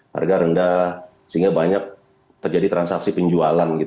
harga rendah sehingga banyak terjadi transaksi penjualan